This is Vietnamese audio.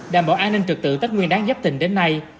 đảm bảo an ninh trực tự tết nguyên đáng giáp tình đến nay